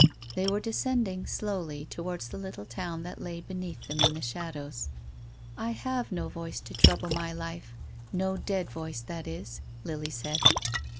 They were descending slowly towards the little town that lay beneath them in the shadows. " I have no voice to trouble my life, — no dead voice, that is," Lily said.